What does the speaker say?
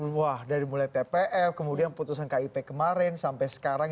wah dari mulai tpf kemudian putusan kip kemarin sampai sekarang